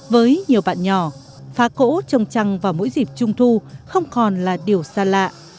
với nhiều bạn nhỏ phá cỗ trồng trăng vào mỗi dịp trung thu không còn là điều xa lạ